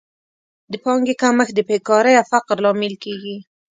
د پانګې کمښت د بېکارۍ او فقر لامل کیږي.